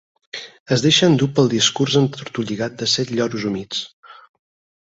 Es deixa endur pel discurs entortolligat de set lloros humits.